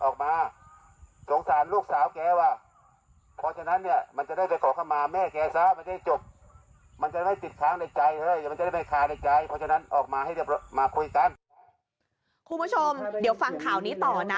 คุณผู้ชมเดี๋ยวฟังข่าวนี้ต่อนะ